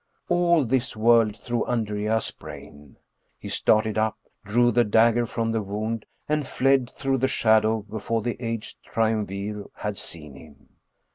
All this whirled through Andrea's brain. He started up, drew the dagger from the wound and fled through the shadow before the aged Triumvir had seen him.